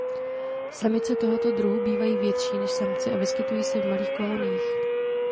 Samice tohoto druhu bývají větší než samci a vyskytují se v malých koloniích.